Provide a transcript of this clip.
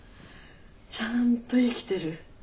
ちゃんと生きてる。